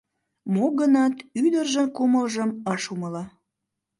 Мо-гынат ӱдыржын кумылжым ыш умыло.